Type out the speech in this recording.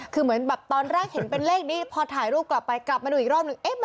คือเหมือนแบบตอนแรกเห็นเป็นเลขนี้พอถ่ายรูปกลับไปกลับมาดูอีกรอบหนึ่ง